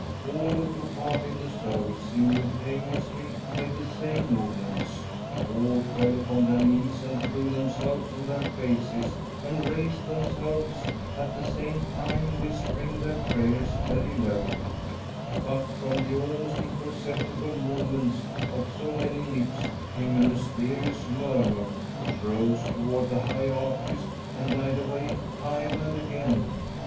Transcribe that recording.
All who took part in the service simultaneously made the same movements. All fell upon their knees and threw themselves on their faces and raised themselves, at the same time whispering their prayers very low; but from the almost imperceptible movements of so many lips came a mysterious murmur, which rose toward the high arches and died away, time and again.